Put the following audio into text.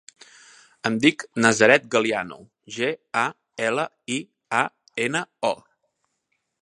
Em dic Nazaret Galiano: ge, a, ela, i, a, ena, o.